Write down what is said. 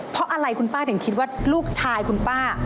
เพราะอะไรคุณป้าถึงคิดว่าลูกชายคุณป้า